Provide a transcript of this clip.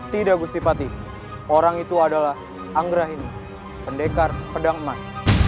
tidak gusti patih orang itu adalah anggrahini pendekar pedang emas